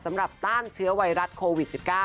สำหรับต้านเชื้อไวรัสโควิด๑๙